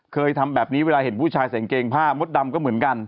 เคยทำแบบนี้เวลาเห็นผู้ชายใส่กางเกงผ้ามดดำก็เหมือนกัน